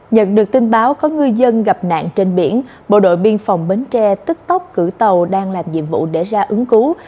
nhận được tin báo có ngư dân gặp nạn trên biển bộ đội biên phòng bến tre tức tốc cử tàu đang làm nhiệm vụ để ra ứng cứu